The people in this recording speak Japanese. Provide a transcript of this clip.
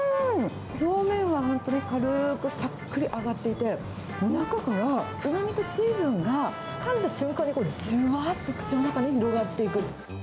表面は本当に軽くさっくり揚がっていて、中からうまみと水分が、かんだ瞬間にじゅわっと口の中に広がっていく。